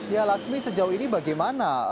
ya laksmi sejauh ini bagaimana